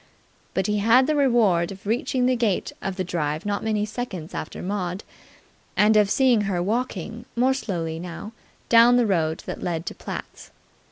But he had the reward of reaching the gates of the drive not many seconds after Maud, and of seeing her walking more slowly now down the road that led to Platt's.